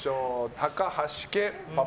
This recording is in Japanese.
高橋家パパ。